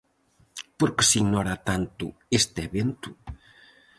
Por que se ignora tanto este evento?